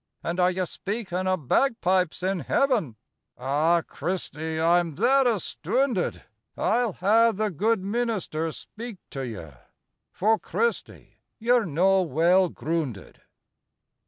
"And are ye speaking o' bagpipes in Heaven? Ah, Christy, I'm that astoonded I'll hae the guid meenister speak tae ye, For, Christy, ye're no weel groonded."